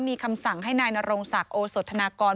มีคำสั่งให้นายนรงศักดิ์โอสธนากร